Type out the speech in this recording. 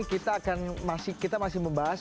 kita akan masih kita masih membahas